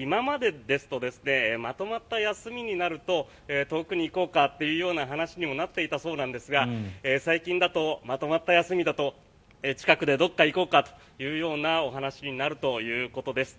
今までですとまとまった休みになると遠くに行こうかという話にもなっていたそうですが最近だとまとまった休みだと近くでどこか行こうかという話になるということです。